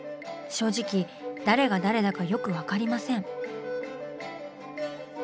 正直誰が誰だかよく分かりません。